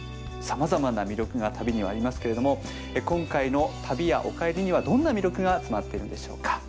さまざまな魅力が旅にはありますけれども今回の「旅屋おかえり」にはどんな魅力が詰まっているんでしょうか？